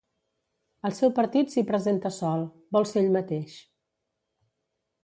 El seu partit s’hi presenta sol, vol ser ell mateix.